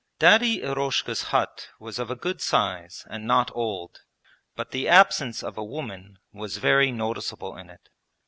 Daddy Eroshka's hut was of a good size and not old, but the absence of a woman was very noticeable in it.